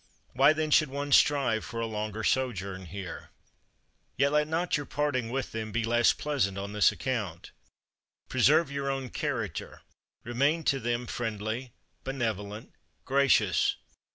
Why then should one strive for a longer sojourn here? Yet let not your parting with them be less pleasant on this account. Preserve your own character, remain to them friendly, benevolent, gracious.